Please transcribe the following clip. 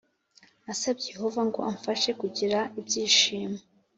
Nasabye yehova ngo amfashe kugira ibyishimo